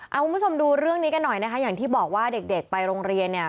เอาคุณผู้ชมดูเรื่องนี้กันหน่อยนะคะอย่างที่บอกว่าเด็กเด็กไปโรงเรียนเนี่ย